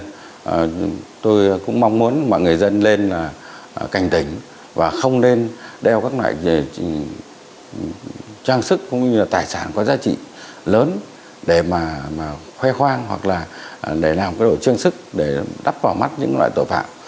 tội phạm này thì mọi người dân tôi cũng mong muốn mọi người dân lên cảnh tỉnh và không nên đeo các loại trang sức cũng như là tài sản có giá trị lớn để mà khoe khoang hoặc là để làm cái đồ trương sức để đắp vào mắt những loại tội phạm